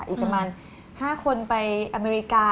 อีกประมาณ๕คนไปอเมริกา